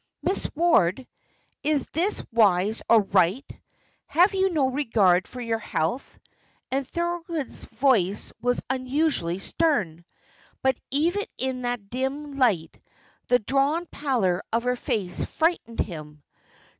"Miss Ward, is this wise or right? Have you no regard for your health?" and Thorold's voice was unusually stern; but even in that dim light, the drawn pallor of her face frightened him.